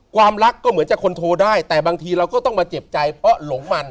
ความรักก็เหมือนจะคนโทรได้แต่บางทีเราก็ต้องมาเจ็บใจเพราะหลงมัน